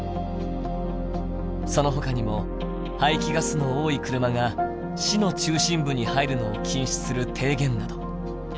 そのほかにも排気ガスの多い車が市の中心部に入るのを禁止する提言など。